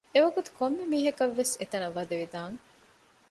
އެވަގުތު ކޮންމެ މީހަކަށްވެސް އެތަނަށް ވަދެވިދާނެ